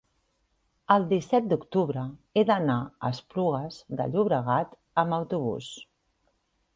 el disset d'octubre he d'anar a Esplugues de Llobregat amb autobús.